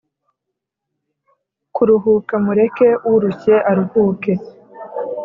Kuruhuka mureke urushye aruhuke